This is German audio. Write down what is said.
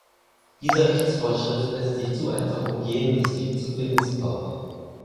Diese Rechtsvorschrift lässt sich zu einfach umgehen, und es gibt zu viel Missbrauch.